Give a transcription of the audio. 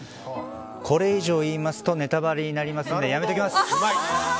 これ以上言いますとネタばれになりますのでうまい！